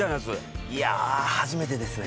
いや初めてですね。